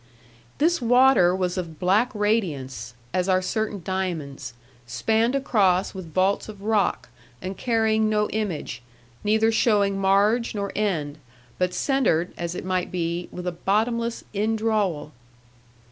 This water was of black radiance, as are certain diamonds, spanned across with vaults of rock, and carrying no image, neither showing marge nor end, but centred (at it might be) with a bottomless indrawal.